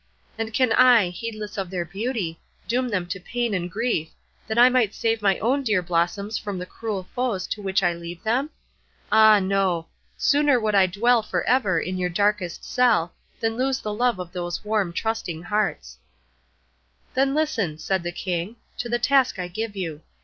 And can I, heedless of their beauty, doom them to pain and grief, that I might save my own dear blossoms from the cruel foes to which I leave them? Ah no! sooner would I dwell for ever in your darkest cell, than lose the love of those warm, trusting hearts." "Then listen," said the King, "to the task I give you.